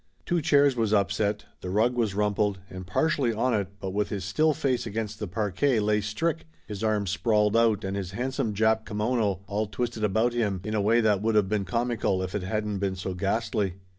Two chairs was upset, the rug was rumpled, and partially on it but with his still face against the parquet, lay Strick, his arms sprawled out and his handsome Jap kimono all twisted about him in a way that would of been comical if it hadn't been so ghastly.